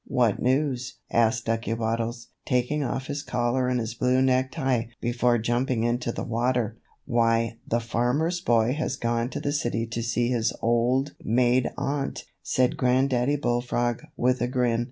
"What news?" asked Ducky Waddles, taking off his collar and his blue necktie before jumping into the water. "Why, the Farmer's Boy has gone to the city to see his old maid aunt," said Granddaddy Bullfrog with a grin.